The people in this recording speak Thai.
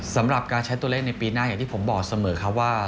สำหรับการใช้ตัวเลขในปีหน้าอย่างที่ผมบอกเสมอครับว่า